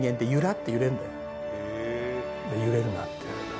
揺れるなって言われた。